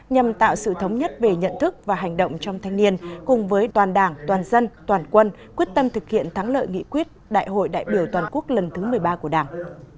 nhằm tạo sự thống nhất về nhận thức và hành động trong thanh niên cùng với toàn đảng toàn dân toàn quân quyết tâm thực hiện thắng lợi nghị quyết đại hội đại biểu toàn quốc lần thứ một mươi ba của đảng